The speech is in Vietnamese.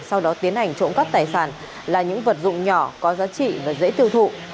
sau đó tiến hành trộm cắp tài sản là những vật dụng nhỏ có giá trị và dễ tiêu thụ